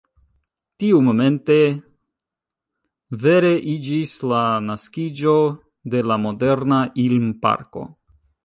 Tiumomente vere iĝis la naskiĝo de la moderna Ilm-parko.